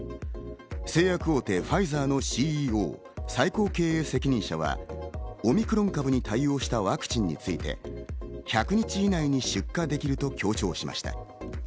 製薬大手ファイザーのＣＥＯ＝最高経営責任者はオミクロン株に対応したワクチンについて１００日以内に出荷できると強調しました。